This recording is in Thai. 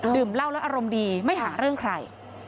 เหล้าแล้วอารมณ์ดีไม่หาเรื่องใคร